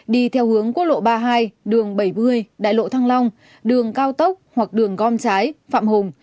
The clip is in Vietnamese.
đi theo hướng quốc lộ ba mươi hai đường bảy mươi đại lộ thăng long đường cao tốc hoặc đường gom trái phạm hùng